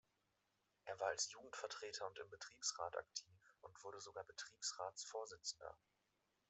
Er war als Jugendvertreter und im Betriebsrat aktiv und wurde sogar Betriebsratsvorsitzender.